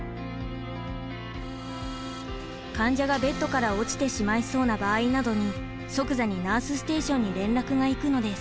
患者がベッドから落ちてしまいそうな場合などに即座にナースステーションに連絡がいくのです。